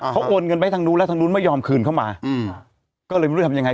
เขาโอนเงินไปทางนู้นแล้วทางนู้นไม่ยอมคืนเข้ามาก็เลยไม่รู้ทำยังไง